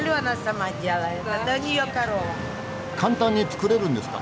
簡単に作れるんですか？